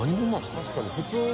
確かに